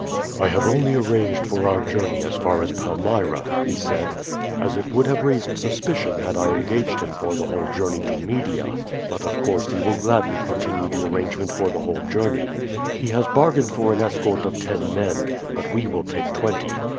"I have only arranged for our journey as far as Palmyra," he said, "as it would have raised suspicion had I engaged him for the whole journey to Media; but of course he will gladly continue the arrangement for the whole journey. He has bargained for an escort of ten men, but we will take twenty.